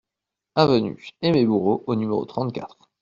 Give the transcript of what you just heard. Avenue Aimé Bourreau au numéro trente-quatre